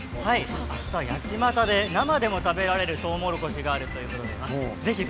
あしたは八街で生でも食べられるとうもろこしがあるということです